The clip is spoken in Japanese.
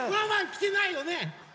きてないよね？